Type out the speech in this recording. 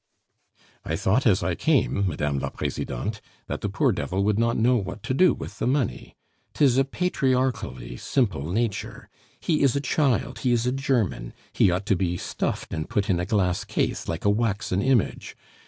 "I thought as I came, Mme. la Presidente, that the poor devil would not know what to do with the money. 'Tis a patriarchally simple nature. He is a child, he is a German, he ought to be stuffed and put in a glass case like a waxen image.